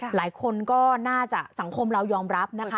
หลายคนก็น่าจะสังคมเรายอมรับนะคะ